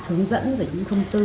hướng dẫn rồi những thông tư